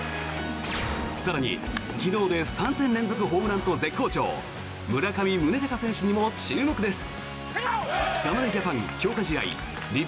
更に、昨日で３戦連続ホームランと絶好調村上宗隆選手にも注目です。